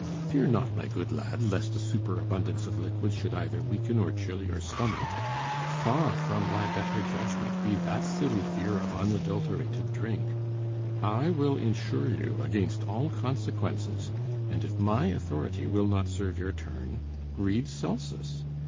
Fear not, my good lad, lest a superabundance of liquid should either weaken or chill your stomach; far from thy better judgment be that silly fear of unadulterated drink. I will insure you against all consequences; and if my authority will not serve your turn, read Celsus.